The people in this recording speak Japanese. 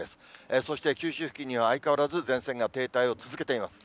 そして九州付近には、相変わらず前線が停滞を続けています。